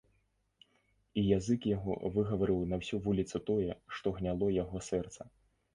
І язык яго выгаварыў на ўсю вуліцу тое, што гняло яго сэрца.